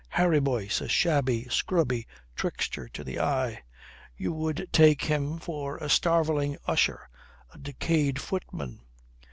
"Harry Boyce, a shabby, scrubby trickster to the eye. You would take him for a starveling usher, a decayed footman.